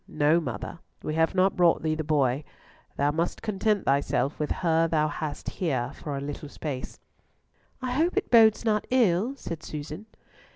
"No, mother, we have not brought thee the boy. Thou must content thyself with her thou hast here for a little space." "I hope it bodes not ill," said Susan.